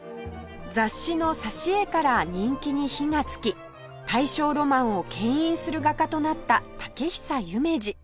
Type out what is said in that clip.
雑誌の挿絵から人気に火がつき大正ロマンをけん引する画家となった竹久夢二